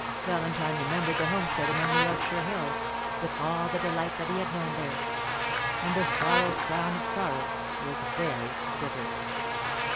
Valentine remembered the homestead among the Yorkshire hills, with all the delight that he had known there; and the "sorrow's crown of sorrow" was very bitter.